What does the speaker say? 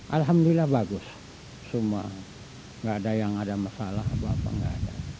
alhamdulillah bagus semua nggak ada yang ada masalah atau apa nggak ada